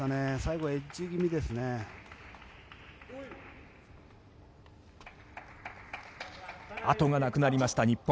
後がなくなりました日本。